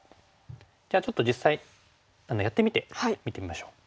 じゃあちょっと実際やってみて見てみましょう。